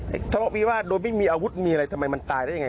ถูกแต่ว่าโดนไปมีอาวุธมีอะไรทำไมมันตายได้อย่าง